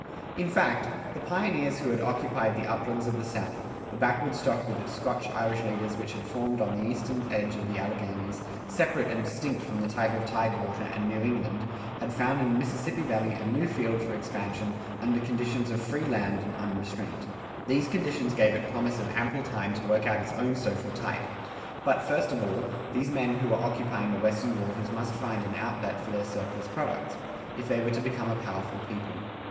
In fact, the pioneers who had occupied the uplands of the South, the backwoods stock with its Scotch Irish leaders which had formed on the eastern edge of the Alleghanies, separate and distinct from the type of tidewater and New England, had found in the Mississippi Valley a new field for expansion under conditions of free land and unrestraint. These conditions gave it promise of ample time to work out its own social type. But, first of all, these men who were occupying the Western Waters must find an outlet for their surplus products, if they were to become a powerful people.